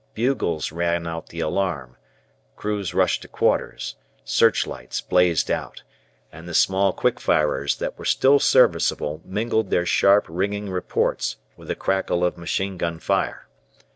Bugles ran out the alarm; crews rushed to quarters; searchlights blazed out, and the small quick firers that were still serviceable mingled their sharp ringing reports with the crackle of machine gun fire.